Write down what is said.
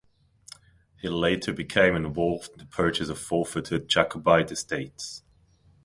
He later became involved in the purchase of forfeited Jacobite estates.